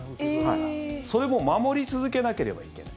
それも守り続けなければいけない。